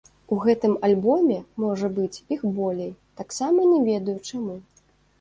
У гэтым альбоме, можа быць, іх болей, таксама не ведаю, чаму.